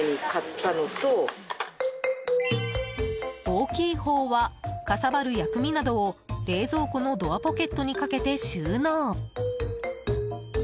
大きいほうはかさばる薬味などを冷蔵庫のドアポケットにかけて収納。